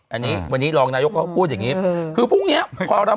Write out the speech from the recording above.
อันนี้วันนี้รองนายกเขาพูดอย่างนี้คือพรุ่งเนี้ยพอเรา